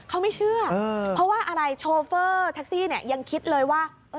เขาไม่เชื่อเพราะว่าอะไรโชเฟอร์แท็กซี่เนี่ยยังคิดเลยว่า